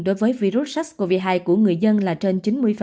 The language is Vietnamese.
đối với virus sars cov hai của người dân là trên chín mươi